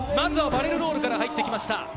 バレルロールから入ってきました。